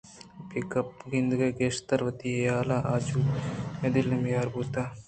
بہ گندے آ گیشتر وتی حیالاں آ جو ءُدل ءَ میر بوتیں